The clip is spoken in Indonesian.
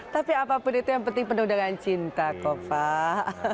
tapi apapun itu yang penting penuh dengan cinta kofa